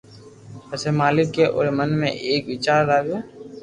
پسي مالڪ اي اوري من ۾ ايڪ ويچار